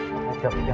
mà phải chậm chậm